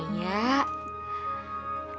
kan emma yang selalu bilang begitu